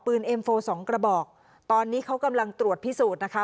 เอ็มโฟสองกระบอกตอนนี้เขากำลังตรวจพิสูจน์นะคะ